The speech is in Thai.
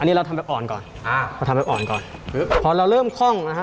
อันนี้เราทำแบบอ่อนก่อนอ่าเราทำแบบอ่อนก่อนคือพอเราเริ่มคล่องนะฮะ